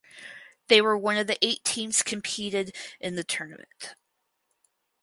They were one of the eight teams competed in the tournament.